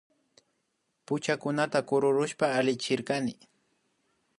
Puchakunata kururushpa allichirkani